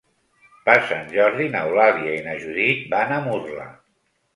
Per Sant Jordi n'Eulàlia i na Judit van a Murla.